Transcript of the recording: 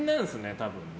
多分ね。